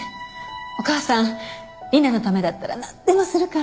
お母さん理奈のためだったらなんでもするから。